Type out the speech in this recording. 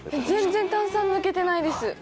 全然炭酸、抜けてないです。